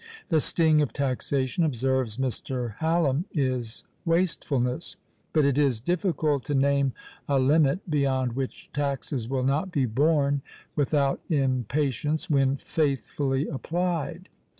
"The sting of taxation," observes Mr. Hallam, "is wastefulness; but it is difficult to name a limit beyond which taxes will not be borne without impatience when faithfully applied."